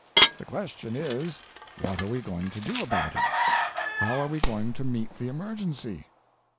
The question is, what are we going to do about it, how are we going to meet the emergency?